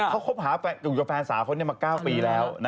เขาคบหาอยู่กับแฟนสาวเขามา๙ปีแล้ว